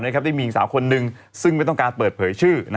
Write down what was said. ได้มีหญิงสาวคนนึงซึ่งไม่ต้องการเปิดเผยชื่อ